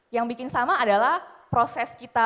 yang bikin sama adalah proses kita